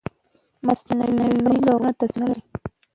مصنوعي لغتونه تصویر نه لري.